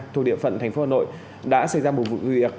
thuộc địa phận thành phố hà nội đã xảy ra một vụ nguyệt